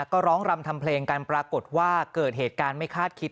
ก็ร้องรำทำเพลงกันปรากฏว่าเกิดเหตุการณ์ไม่คาดคิด